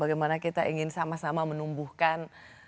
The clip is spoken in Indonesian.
bagaimana kita ingin sama sama menumbuhkan